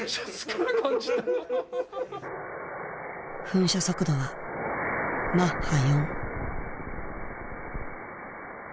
噴射速度はマッハ４。